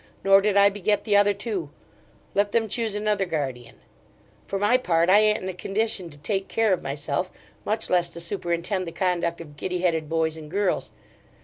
nor did I beget the other two: let them choose another guardian: for my part I an't in a condition to take care of myself; much less to superintend the conduct of giddy headed boys and girls.